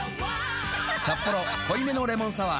「サッポロ濃いめのレモンサワー」